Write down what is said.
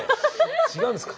違うんですか？